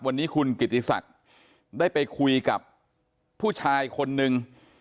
วันนี้คุณกิติศักดิ์ได้ไปคุยกับผู้ชายคนนึง